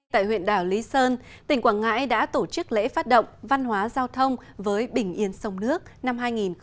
tại huyện đảo lý sơn tỉnh quảng ngãi đã tổ chức lễ phát động văn hóa giao thông với bình yên sông nước năm hai nghìn một mươi chín